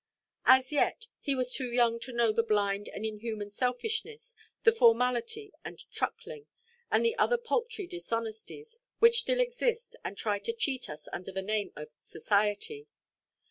As yet he was too young to know the blind and inhuman selfishness, the formality and truckling, and the other paltry dishonesties, which still exist and try to cheat us under the name of "Society."